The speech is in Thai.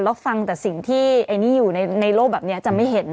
แล้วฟังแต่สิ่งที่ไอ้นี่อยู่ในโลกแบบนี้จะไม่เห็น